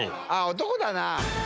男だな。